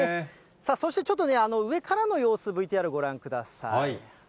そしてちょっとね、上からの様子、ＶＴＲご覧ください。